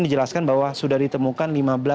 dijelaskan bahwa sudah ditemukan lima belas